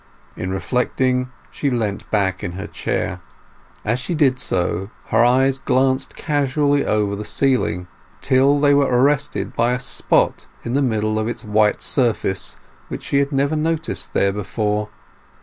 In reflecting she leant back in her chair. As she did so her eyes glanced casually over the ceiling till they were arrested by a spot in the middle of its white surface which she had never noticed there before.